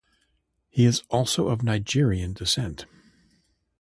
He is also of Nigerian descent.